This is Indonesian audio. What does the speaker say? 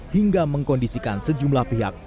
hingga mengkondisikan sejumlah pihak